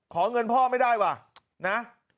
เงินพ่อไม่ได้ว่ะนะ